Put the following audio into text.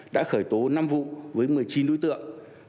đã khởi tố năm vụ với một mươi chín đối tượng